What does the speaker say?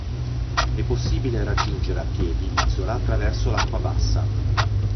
È possibile raggiungere a piedi l'isola attraverso l'acqua bassa.